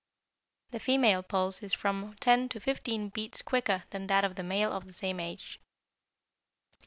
The female pulse is from 10 to 15 beats quicker than that of the male of the same age.